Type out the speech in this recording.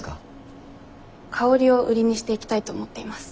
香りを売りにしていきたいと思っています。